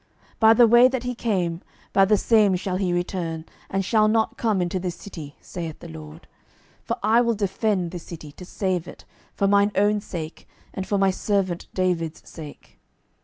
12:019:033 By the way that he came, by the same shall he return, and shall not come into this city, saith the LORD. 12:019:034 For I will defend this city, to save it, for mine own sake, and for my servant David's sake.